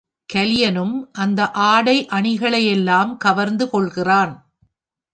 கலியனும் அந்த ஆடை அணிகளையெல்லாம் கவர்ந்து கொள்கிறான்.